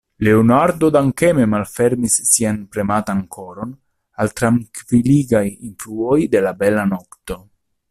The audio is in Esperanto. Leonardo dankeme malfermis sian prematan koron al trankviligaj influoj de la bela nokto.